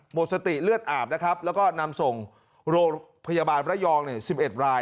หมดสติเลือดอาบนะครับแล้วก็นำส่งโรงพยาบาลระยอง๑๑ราย